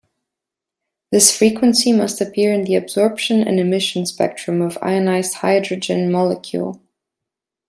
This frequency must appear in the absorption and emission spectrum of ionized hydrogen molecule.